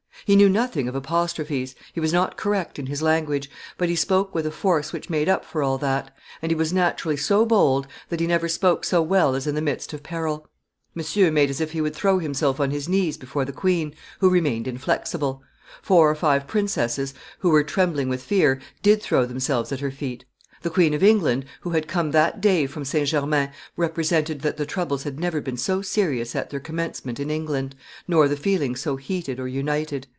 He knew nothing of apostrophes, he was not correct in his language, but he spoke with a force which made up for all that, and he was naturally so bold that he never spoke so well as in the midst of peril. Monsieur made as if he would throw himself on his knees before the queen, who remained inflexible; four or five princesses, who were trembling with fear, did throw themselves at her feet; the Queen of England, who had come that day from St. Germain, represented that the troubles had never been so serious at their commencement in England, nor the feelings so heated or united."